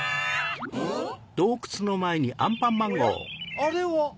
あれは。